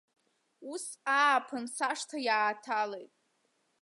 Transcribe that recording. Ус ааԥын сашҭа иааҭалеит.